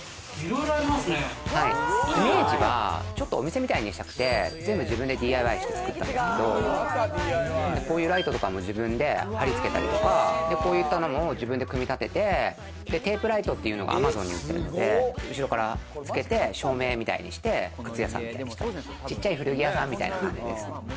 イメージはちょっとお店みたいにしたくて全部自分でＤＩＹして作ったんですけど、こういうライトとかも自分で貼り付けたり、こういうのも自分で組み立てて、テープライトっていうのがＡｍａｚｏｎに売ってるので、照明みたいにして靴屋さんみたいにしたり、ちっちゃい古着屋さんみたいな感じです。